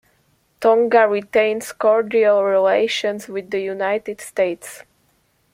Tonga retains cordial relations with the United States.